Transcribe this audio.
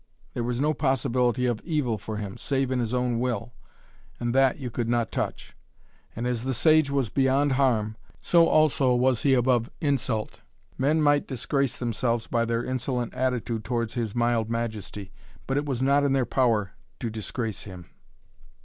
There was no possibility of evil for him, save in his own will, and that you could not touch. And as the sage was beyond harm, so also was he above insult. Men might disgrace themselves by their insolent attitude towards his mild majesty, but it was not in their power to disgrace him.